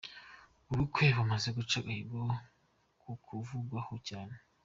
Ubukwe bumaze guca agahigo ko kuvugwaho cyane.